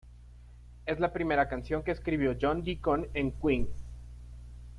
Es la primera canción que escribió John Deacon en Queen.